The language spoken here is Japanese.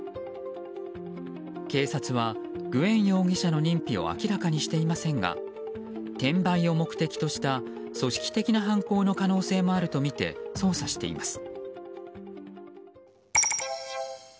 警察は、グエン容疑者の認否を明らかにしていませんが転売を目的とした、組織的な犯行の可能性もあるとみて捜査しています。